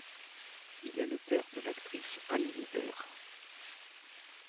Il est le père de l'actrice Anne Libert.